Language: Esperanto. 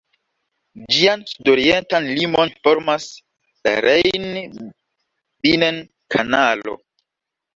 Ĝian sudorientan limon formas la Rhein-Binnen-Kanalo.